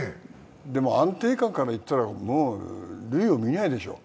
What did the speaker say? でも安定感からいったら類をみないでしょう。